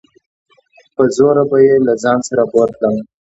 په زوره به يې له ځان سره بوتلم.